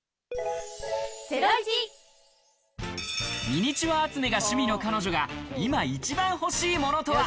ミニチュア集めが趣味の彼女が今一番欲しいものとは？